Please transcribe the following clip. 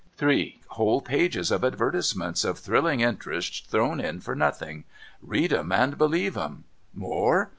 Three whole pages of advertisements of thrilling interest thrown in for nothing. Read 'em and believe 'em. More